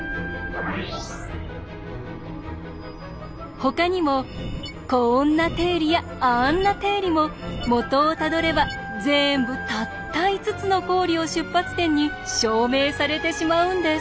ほかにもこんな定理やあんな定理も元をたどれば全部たった５つの公理を出発点に証明されてしまうんです。